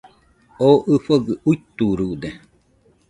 Oo ɨfogɨ uiturude